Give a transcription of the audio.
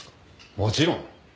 もちろん。